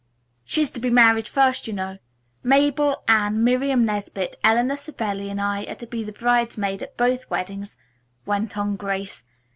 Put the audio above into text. She's to be married first, you know. Mabel, Anne, Miriam Nesbit, Eleanor Savelli and I are to be the bridesmaids at both weddings," went on Grace.